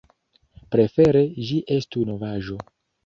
Prefere ĝi estu novaĵo.